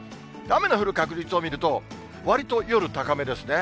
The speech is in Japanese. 雨の降る確率を見ると、わりと夜高めですね。